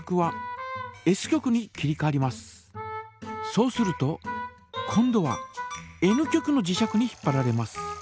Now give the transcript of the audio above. そうすると今度はＮ極の磁石に引っぱられます。